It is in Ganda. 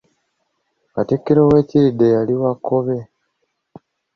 Katikkiro we Kiridde yali wa Kkobe.